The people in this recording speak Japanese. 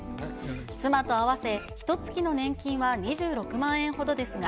妻と合わせひとつきの年金は２６万円ほどですが、